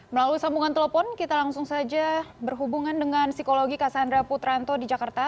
melalui sambungan telepon kita langsung saja berhubungan dengan psikologi kassandra putranto di jakarta